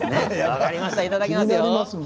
分かりましたいただきますよ。